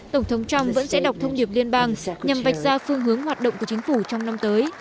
tổng thống trump vẫn sẽ đọc thông điệp liên bang nhằm vạch ra phương hướng hoạt động của chính phủ trong năm tới